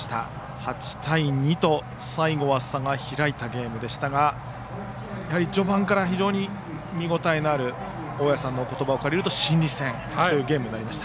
８対２と最後は差が開いたゲームでしたが序盤から非常に見応えのある大矢さんのお言葉を借りると心理戦というゲームになりました。